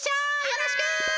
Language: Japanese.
よろしく！